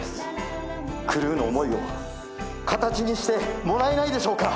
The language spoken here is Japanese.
クルーの思いを形にしてもらえないでしょうか？